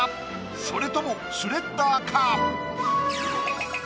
それともシュレッダーか？